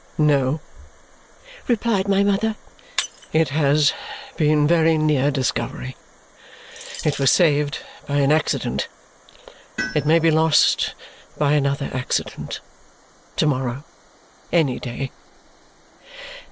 "No," replied my mother. "It has been very near discovery. It was saved by an accident. It may be lost by another accident to morrow, any day."